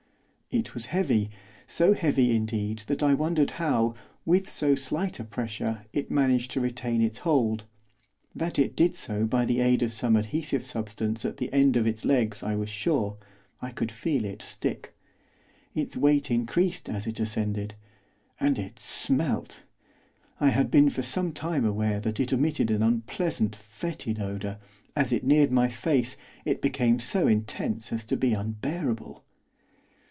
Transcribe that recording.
It was heavy, so heavy indeed, that I wondered how, with so slight a pressure, it managed to retain its hold, that it did so by the aid of some adhesive substance at the end of its legs I was sure, I could feel it stick. Its weight increased as it ascended, and it smelt! I had been for some time aware that it emitted an unpleasant, foetid odour; as it neared my face it became so intense as to be unbearable.